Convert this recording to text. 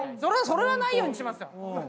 それはないようにしますよ。